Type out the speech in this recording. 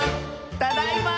「ただいま」